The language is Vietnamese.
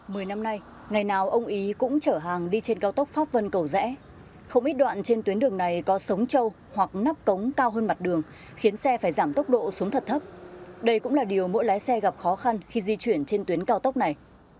mười năm nay ngày nào ông ý cũng chở hàng đi trên cao tốc pháp vân cầu rẽ không ít đoạn trên tuyến đường này có sống trâu hoặc nắp cống cao hơn mặt đường khiến xe phải giảm tốc độ xuống thật thấp đây cũng là điều mỗi lái xe gặp khó khăn khi di chuyển trên tuyến cao tốc này